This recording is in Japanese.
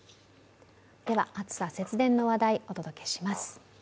暑さ、節電の話題、お届けします。